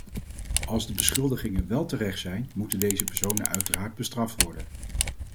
Als de beschuldigingen wel terecht zijn, moeten deze personen uiteraard bestraft worden.